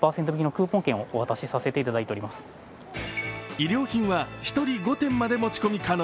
衣料品は１人５点まで持ち込み可能。